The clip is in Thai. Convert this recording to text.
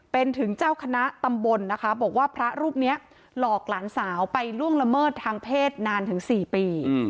เป็นถึงเจ้าคณะตำบลนะคะบอกว่าพระรูปนี้หลอกหลานสาวไปล่วงละเมิดทางเพศนานถึง๔ปี